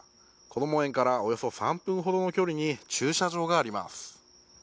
こども園からおよそ３分ほどの距離に駐車場があります。